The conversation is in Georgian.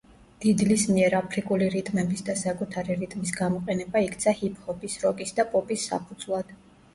დიდლის მიერ აფრიკული რიტმების და საკუთარი რიტმის გამოყენება იქცა ჰიპ-ჰოპის, როკის და პოპის საფუძვლად.